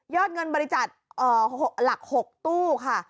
เงินบริจาคหลัก๖ตู้ค่ะ